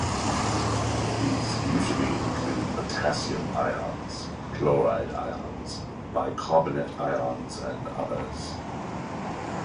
These usually include potassium ions, chloride ions, bicarbonate ions, and others.